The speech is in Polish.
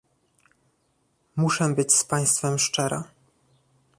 Muszę być z państwem szczera